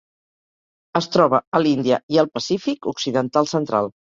Es troba a l'Índia i el Pacífic occidental central.